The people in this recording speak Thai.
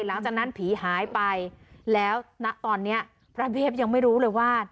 หลังจากนั้นผีหายไปแล้วณตอนนี้พระเทพยังไม่รู้เลยว่า